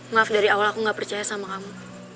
maaf dari awal aku nggak percaya sama kamu